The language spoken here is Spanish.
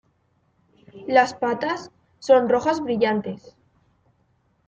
Las patas son rojas brillantes.